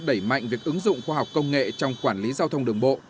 đẩy mạnh việc ứng dụng khoa học công nghệ trong quản lý giao thông đường bộ